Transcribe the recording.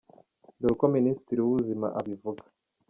Dore uko Minisitiri w’Ubuzima abivuga :.